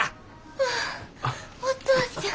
ああお父ちゃん。